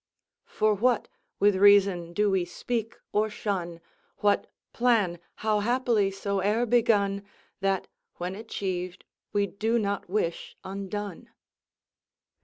"For what, with reason, do we speak or shun, What plan, how happily soe'r begun, That, when achieved, we do not wish undone?"